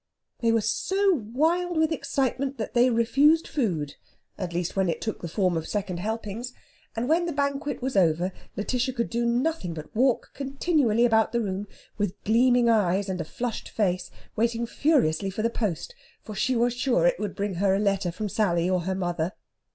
They were so wild with excitement that they refused food at least, when it took the form of second helpings and when the banquet was over Lætitia could do nothing but walk continually about the room with gleaming eyes and a flushed face waiting furiously for the post; for she was sure it would bring her a letter from Sally or her mother.